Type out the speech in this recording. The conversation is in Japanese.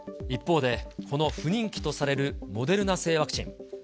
一方で、この不人気とされるモデルナ製ワクチン。